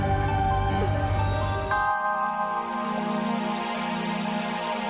melakukan bahan lainnya